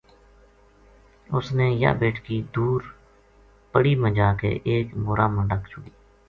اس نے یاہ بیٹکی دور پڑی ما جا کے ایک مَورا ما ڈَک چھُڑی